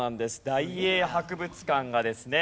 大英博物館がですね